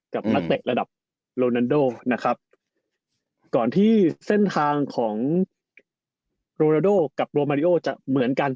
นักเตะระดับโรนันโดนะครับก่อนที่เส้นทางของโรนาโดกับโรมาริโอจะเหมือนกัน